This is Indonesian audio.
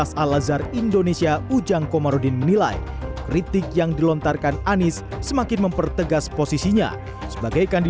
keleniputan cnn indonesia